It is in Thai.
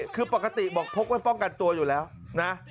คือปกติบอกพกไว้ป้องกันตัวอยู่แล้วนะ